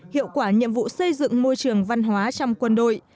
hiệu quả nhiệm vụ xây dựng môi trường văn hóa trong quân đội